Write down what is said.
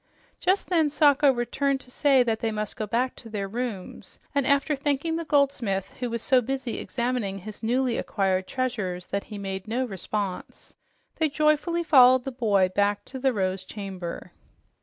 Just then Sacho returned to say that they must go back to their rooms, and after thanking the goldsmith, who was so busy examining his newly acquired treasure that he made no response, they joyfully followed the boy back to the Rose Chamber.